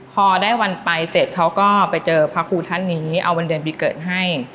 พอได้วันไปเสร็จเขาก็ไปเจอพระครูท่านนี้เอาวันเดือนปีเกิดให้